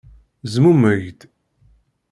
Zmumeg-d.